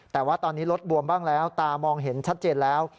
แต่ว่าตอนนี้รถบวมบ้างแล้วตามองเห็นชัดเจนแล้ว